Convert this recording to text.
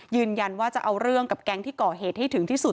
ยืนยันว่าจะเอาเรื่องกับแก๊งที่ก่อเหตุให้ถึงที่สุด